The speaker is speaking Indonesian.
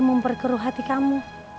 memperkeruh hati kamu